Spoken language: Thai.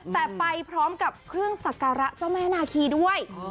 แต่ไปกับเครื่องศักระเจ้าแม่นาทีด้วย